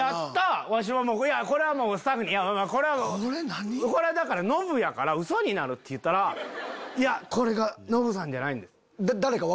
わしもスタッフにこれはノブやからウソになるって言ったら「いやこれがノブさんじゃないんです」。